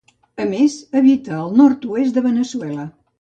A més, habita al nord-oest de Veneçuela.